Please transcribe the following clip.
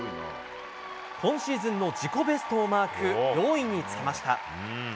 今シーズンの自己ベストをマーク４位につけました。